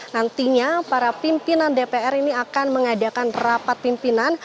nantinya para pimpinan dpr ini akan mengadakan rapat pimpinan